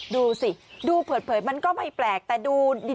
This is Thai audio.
ดูสิดูเผยมันก็ไม่แปลกแต่ดูดี